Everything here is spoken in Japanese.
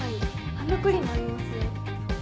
ハンドクリームありますよ。